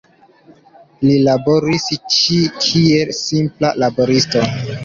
Li laboris ĉie, kiel simpla laboristo.